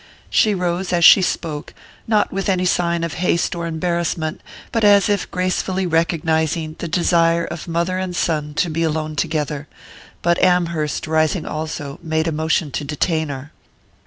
She rose as she spoke, not with any sign of haste or embarrassment, but as if gracefully recognizing the desire of mother and son to be alone together; but Amherst, rising also, made a motion to detain her.